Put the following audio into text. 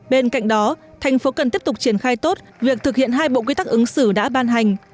bên cạnh đó thành phố cần tiếp tục triển khai tốt việc thực hiện hai bộ quy tắc ứng xử đã ban hành